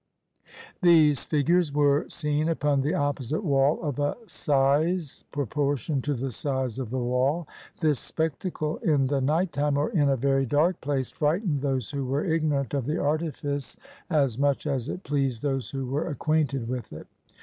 These figures were seen upon the opposite wall of a size proportioned to the size of the wall. This spectacle in the nighttime or in a very dark place frightened those who were ignorant of the artifice as 157 CHINA much as it pleased those who were acquainted with it.